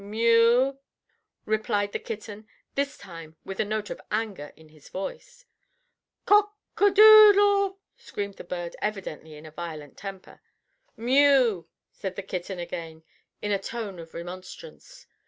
"Mew," replied the kitten, this time with a note of anger in his voice. "COCK A DOODLE," screamed the bird, evidently in a violent temper. "Mew," said the kitten again, in a tone of remonstrance.